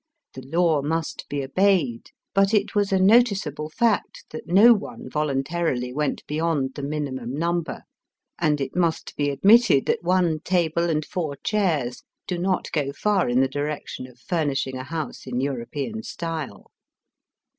The law must be obeyed ; but it was a noticeable fact that no one voluntarily went beyond the minimum number, and it must be admitted that one table and four chairs do not go far in the direction of furnishing a house in Euro pean style.